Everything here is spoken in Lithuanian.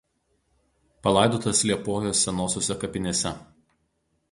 Palaidotas Liepojos Senosiose kapinėse.